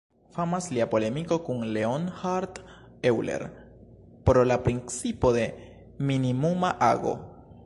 Famas lia polemiko kun Leonhard Euler pro la principo de minimuma ago.